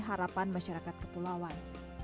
harapan masyarakat kepulauan